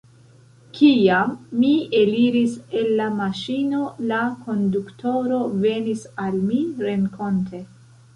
Kiam mi eliris el la maŝino, la konduktoro venis al mi renkonte.